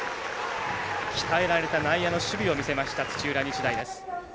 鍛えられた内野の守備を見せました土浦日大です。